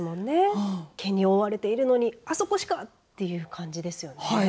毛に覆われているのにあそこしかという感じですよね。